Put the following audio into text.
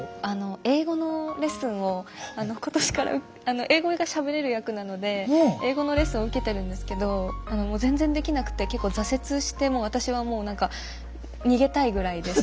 英語のレッスンを今年から英語がしゃべれる役なので英語のレッスンを受けてるんですけどもう全然できなくて結構挫折してもう私はもう逃げたいぐらいです